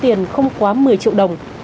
tiền không quá một mươi triệu đồng